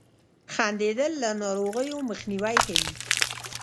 • خندېدل له ناروغیو مخنیوی کوي.